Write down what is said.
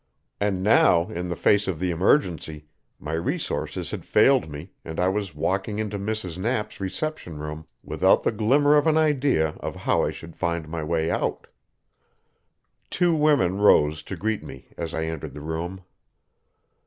And now, in the face of the emergency, my resources had failed me, and I was walking into Mrs. Knapp's reception room without the glimmer of an idea of how I should find my way out. Two women rose to greet me as I entered the room.